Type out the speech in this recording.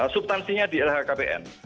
substansinya di lhkbn